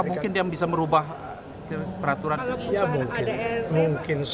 tidak ada tadi pak luhut sudah ngomong